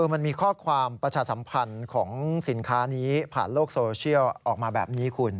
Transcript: มันมีข้อความประชาสัมพันธ์ของสินค้านี้ผ่านโลกโซเชียลออกมาแบบนี้คุณ